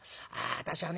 私はね